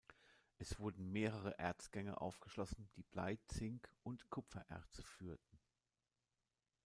Es wurden mehrere Erzgänge aufgeschlossen, die Blei-, Zink- und Kupfererze führten.